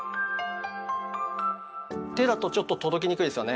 手だとちょっと届きにくいですよね。